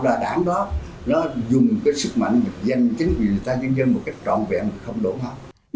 và đảng đó nó dùng cái sức mạnh dịch danh chính quyền người ta nhân dân một cách tròn vẹn không đủ hả